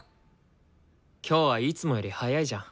今日はいつもより早いじゃん。